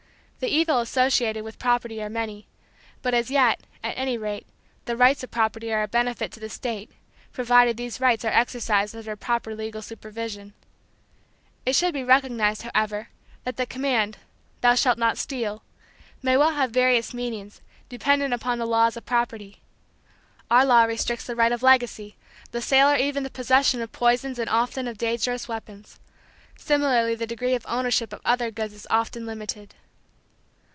The evils associated with property are many, but as yet, at any rate, the rights of property are a benefit to the state, provided those rights are exercised under proper legal supervision. It should be recognized, however, that the command, "Thou shall not steal," may well have various meanings, dependent upon the laws of property. Our law restricts the right of legacy, the sale or even the possession of poisons and often of dangerous weapons. Similarly the degree of ownership of other goods is often limited.